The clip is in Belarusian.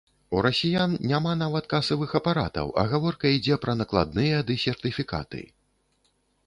У расіян няма нават касавых апаратаў, а гаворка ідзе пра накладныя ды сертыфікаты!